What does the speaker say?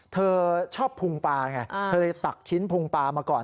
เธอชอบพุงปลาไงเธอเลยตักชิ้นพุงปลามาก่อน